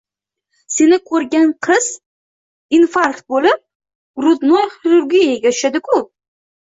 Seni ko‘rgan qiz infarkt bo‘lib «Grudnoy xirurgiya»ga tushadiku!